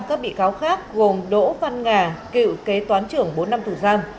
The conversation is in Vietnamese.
các bị cáo khác gồm đỗ văn nga cựu kế toán trưởng bốn năm tù giam